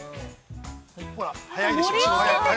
◆ほら、早いでしょう。